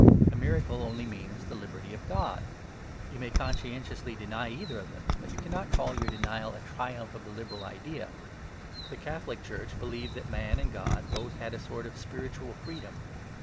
A miracle only means the liberty of God. You may conscientiously deny either of them, but you cannot call your denial a triumph of the liberal idea. The Catholic Church believed that man and God both had a sort of spiritual freedom.